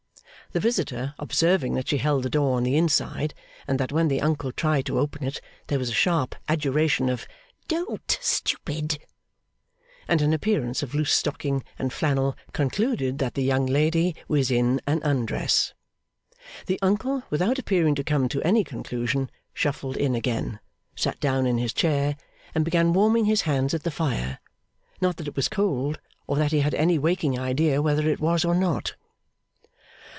The visitor, observing that she held the door on the inside, and that, when the uncle tried to open it, there was a sharp adjuration of 'Don't, stupid!' and an appearance of loose stocking and flannel, concluded that the young lady was in an undress. The uncle, without appearing to come to any conclusion, shuffled in again, sat down in his chair, and began warming his hands at the fire; not that it was cold, or that he had any waking idea whether it was or not.